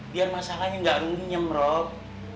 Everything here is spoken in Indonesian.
biar masalahnya gak runyam rob